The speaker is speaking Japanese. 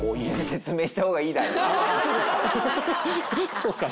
そうっすか？